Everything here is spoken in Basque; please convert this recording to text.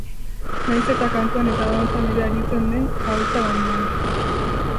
Nahiz eta kantuan eta dantzan ere aritzen den oholtza gainean.